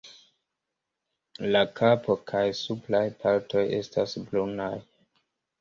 La kapo kaj supraj partoj estas brunaj.